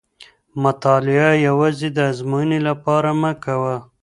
مطالعه یوازې د ازموینې لپاره مه کوه.